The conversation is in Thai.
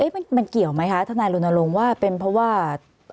มันเกี่ยวไหมคะทนายรณรงค์ว่าเป็นเพราะว่า